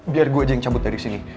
biar gue aja yang cabut dari sini